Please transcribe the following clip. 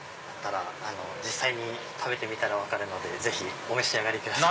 実際に食べてみたら分かるのでぜひお召し上がりください。